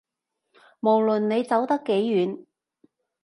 無論你走得幾遠